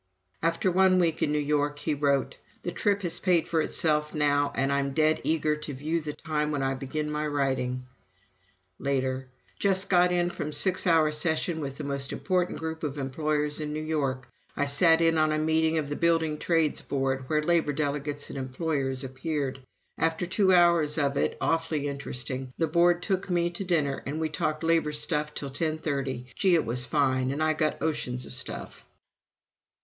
After one week in New York he wrote: "The trip has paid for itself now, and I'm dead eager to view the time when I begin my writing." Later: "Just got in from a six hour session with the most important group of employers in New York. I sat in on a meeting of the Building Trades Board where labor delegates and employers appeared. After two hours of it (awfully interesting) the Board took me to dinner and we talked labor stuff till ten thirty. Gee, it was fine, and I got oceans of stuff."